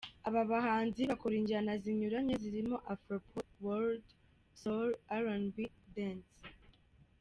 Aba bahanzi bakora injyana zinyuranye zirimo: Afro-pop, world, soul, R&B, dance.